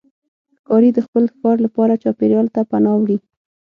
ښکاري د خپل ښکار لپاره چاپېریال ته پناه وړي.